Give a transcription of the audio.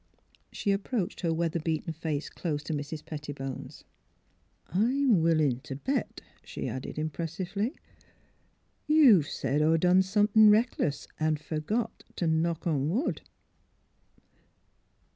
She approached her weather beaten face close to Mrs. Pettibone 's. "I'm willin' t' bet," she added, impressively, '' you've said er done some thin' reckless 'n' f ergot t' knock on wood."